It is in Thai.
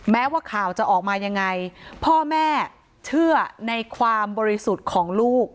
แม้ว่าข่าวจะออกมายังไงพ่อแม่เชื่อในความบริสุทธิ์ของลูก